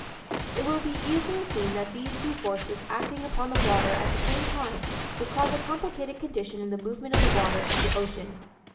It will be easily seen that these two forces acting upon the water at the same time will cause a complicated condition in the movement of the waters of the ocean.